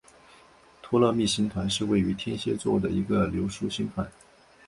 托勒密星团是位于天蝎座的一个疏散星团。